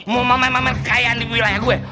mau mamen mamen kayaan di wilayah gue